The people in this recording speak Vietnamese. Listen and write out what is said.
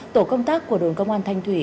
tổ công tác của đồn công an thanh thủy